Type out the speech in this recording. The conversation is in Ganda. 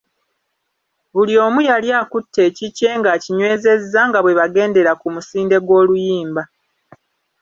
Buli omu yali akutte ekikye nga akinywezezza nga bwe bagendera ku musinde gw'oluyimba.